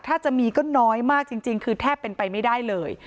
ถ้าจะมีก็น้อยมากจริงคือแทบเป็นไปไม่ได้เลย